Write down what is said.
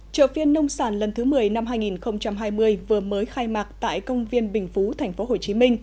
trợ phiên nông sản lần thứ một mươi năm hai nghìn hai mươi vừa mới khai mạc tại công viên bình phú tp hcm